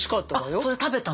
あそれ食べたの？